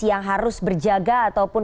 yang harus berjaga ataupun